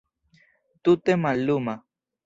Tute malluma.